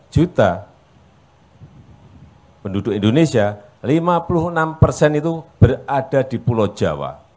dua puluh juta penduduk indonesia lima puluh enam persen itu berada di pulau jawa